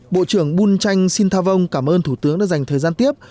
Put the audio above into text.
bộ trưởng bun tranh xin tha vong cảm ơn thủ tướng đã dành thời gian tiếp